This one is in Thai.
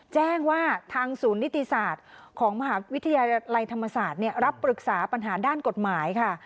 แจ้งว่าทางศูนย์นิติศาสตร์ของมหาวิทยาลัยธรรมศาสตร์รับปรึกษาปัญหาด้านกฎหมายค่ะ